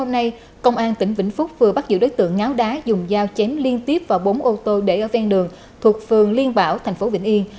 hôm nay công an tỉnh vĩnh phúc vừa bắt giữ đối tượng ngáo đá dùng dao chém liên tiếp vào bốn ô tô để ở ven đường thuộc phường liên bảo thành phố vĩnh yên